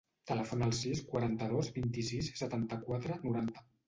Telefona al sis, quaranta-dos, vint-i-sis, setanta-quatre, noranta.